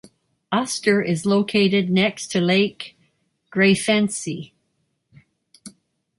Uster is located next to lake Greifensee.